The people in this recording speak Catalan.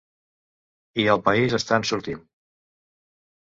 I al país estan sortint.